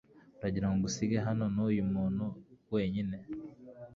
uragira ngo ngusige hano nuyu muntu mwenyine!